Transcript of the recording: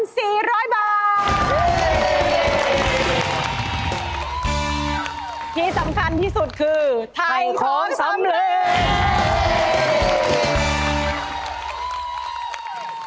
ที่สำคัญที่สุดคือไทยของสำเร็จ